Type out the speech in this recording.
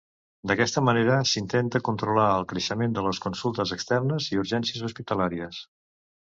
D'aquesta manera s'intenta controlar el creixement de les consultes externes i urgències hospitalàries.